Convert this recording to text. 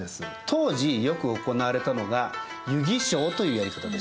当時よく行われたのが湯起請というやり方でした。